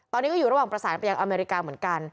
ตอนนี้ก็อยู่ระหว่างประสานไปยังอเมริกาเหมือนกัน